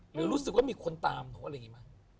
หรือรู้สึกว่ามีคนตามหนูอะไรแบบนี้มั้ย